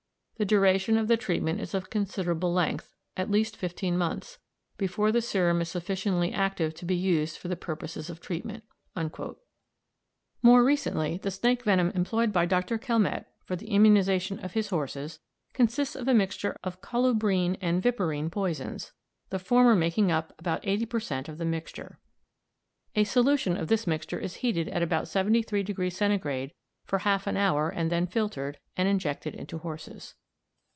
The duration of the treatment is of considerable length at least fifteen months before the serum is sufficiently active to be used for the purposes of treatment." More recently the snake venom employed by Dr. Calmette for the immunisation of his horses consists of a mixture of colubrine and viperine poisons, the former making up about 80 per cent. of the mixture. A solution of this mixture is heated at about 73° C. for half an hour and then filtered, and injected into horses.